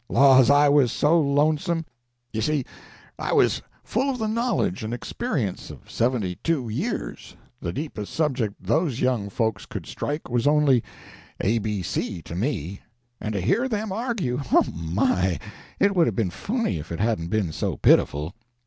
Laws, I was so lonesome! You see, I was full of the knowledge and experience of seventy two years; the deepest subject those young folks could strike was only a b c to me. And to hear them argue—oh, my! it would have been funny, if it hadn't been so pitiful.